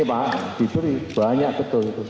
ini pak di turi banyak betul itu